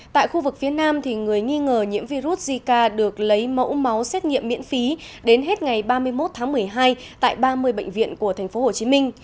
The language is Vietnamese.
tại khu vực phía nam người nghi ngờ nhiễm virus zika được lấy mẫu máu xét nghiệm miễn phí đến hết ngày ba mươi một tháng một mươi hai tại ba mươi bệnh viện của tp hcm